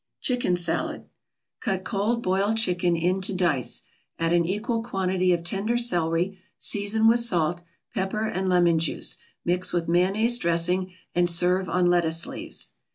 CHICKEN SALAD Cut cold boiled chicken into dice, add an equal quantity of tender celery, season with salt, pepper and lemon juice, mix with mayonnaise dressing, and serve on lettuce leaves.